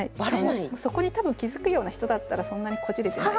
そこに多分気付くような人だったらそんなにこじれてない。